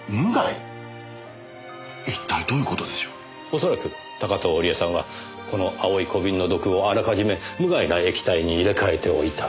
おそらく高塔織絵さんはこの青い小瓶の毒をあらかじめ無害な液体に入れ替えておいた。